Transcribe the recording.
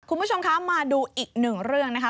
คุณผู้ชมคะมาดูอีกหนึ่งเรื่องนะคะ